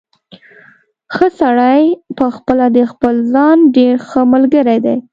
ښه سړی پخپله د خپل ځان ډېر ښه ملګری دی.